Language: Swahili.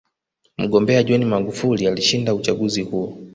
mgombea john magufuli alishinda uchaguzi huo